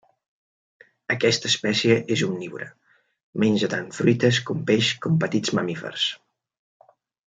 Aquesta espècie és omnívora: menja tant fruites, com peix, com petits mamífers.